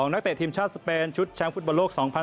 นักเตะทีมชาติสเปนชุดแชมป์ฟุตบอลโลก๒๐๑๖